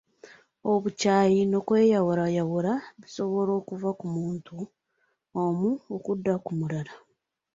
Obukyayi n'okweyawulayawula bisobola okuva ku muntu omu okudda ku mulala.